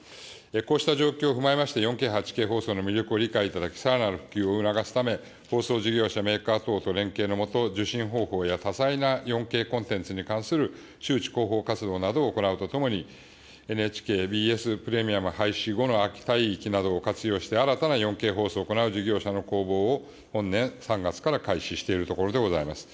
こうした状況を踏まえまして、４Ｋ８Ｋ放送の魅力を理解いただき、さらなる普及を促すため、放送事業者、メーカー等と連携の下、受信方法や多彩な４Ｋコンテンツに関する周知広報活動などを行うとともに、ＮＨＫＢＳプレミアム廃止後の空き帯域などを活用して、新たな４Ｋ放送を行う事業者の公募を本年３月から開始しているところでございます。